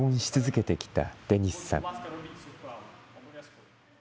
自問し続けてきたデニスさん。